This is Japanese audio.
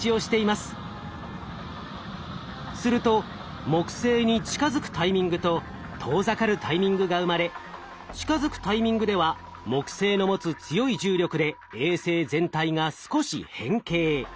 すると木星に近づくタイミングと遠ざかるタイミングが生まれ近づくタイミングでは木星の持つ強い重力で衛星全体が少し変形。